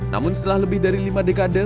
namun setelah lebih dari lima dekade